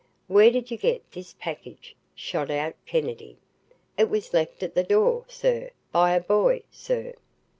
"Where did you get this package?" shot out Kennedy. "It was left at the door, sir, by a boy, sir."